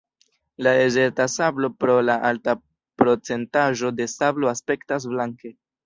La dezerta sablo pro la alta procentaĵo de sablo aspektas blanke.